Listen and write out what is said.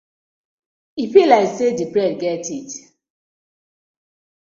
E bi like say di bread get teeth.